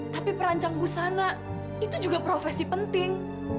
tapi perancang busana itu juga profesi penting